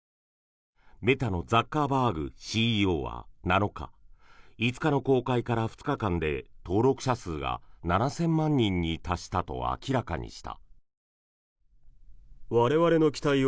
メタのザッカーバーグＣＥＯは７日５日の公開から２日間で登録者数が７０００万人に達したと明らかにした。